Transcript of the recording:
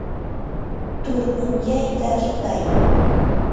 turmanyayta rikay.